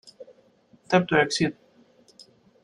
Tap to exit.